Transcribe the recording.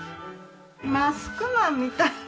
マスクマンみたいな。